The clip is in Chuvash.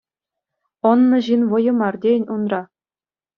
Ӑннӑ ҫын вӑйӗ мар тейӗн унра.